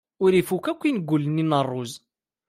Ur ifuk akk ingulen-nni n ṛṛuz.